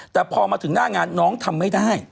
แต่พอมาถึงหน้างานน้องทำไม่ได้